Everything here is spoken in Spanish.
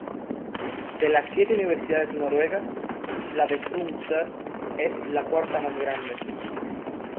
De las siete Universidades noruegas, la de Tromsø es la cuarta más grande.